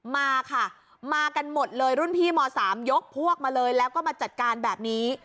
มาค่ะมากันหมดเลยรุ่นพี่ม๓ยกพวกมาเลยแล้วก็มาจัดการแบบนี้